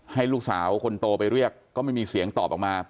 ให้ลูกสาวคนโตไปเรียกก็ไม่มีเสียงตอบออกมา